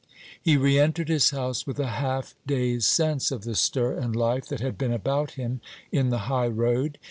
He re entered his house with a half dazed sense of the stir and life that had been about him in the high road.